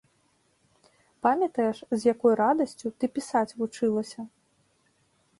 Памятаеш, з якой радасцю ты пісаць вучылася?